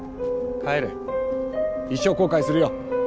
一生後悔するよ。